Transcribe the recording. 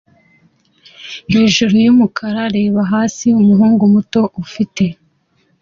hejuru yumukara areba hasi umuhungu muto ufite